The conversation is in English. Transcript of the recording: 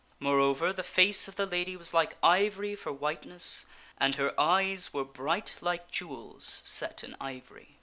Moreover, the face of the lady was like ivory for whiteness and her eyes were bright like jewels set in ivory.